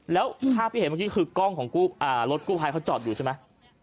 แล้วภาพที่เห็นเมื่อกี้คือกล้องของรถกู้ภัยเขาจอดอยู่ใช่ไหม